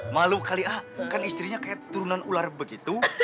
malu kali ah kan istrinya kayak turunan ular begitu